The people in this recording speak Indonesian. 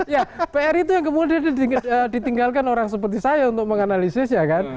ya pr itu yang kemudian ditinggalkan orang seperti saya untuk menganalisis ya kan